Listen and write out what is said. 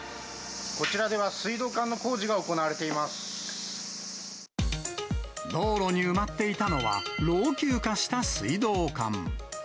こちらでは水道管の工事が行道路に埋まっていたのは、老朽化した水道管。